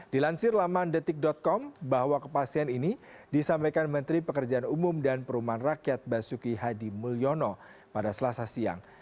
dilansir lamandetik com bahwa kepastian ini disampaikan menteri pekerjaan umum dan perumahan rakyat basuki hadi mulyono pada selasa siang